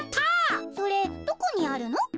それどこにあるの？